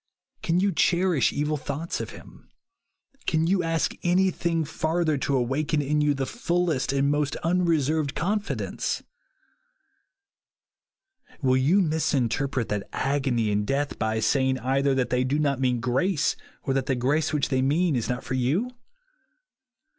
Can you cherish evil thoughts of him ? Can you ask anything farther to awaken in you the fullest and most unreserved confidence ? Will you misinterpret that agony and death by say ing either that they do not mean grace, or that the grace which they mean is not for you